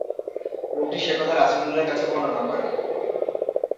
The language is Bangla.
লোকটি সে কথা রাসূলুল্লাহর কাছে বর্ণনা করে।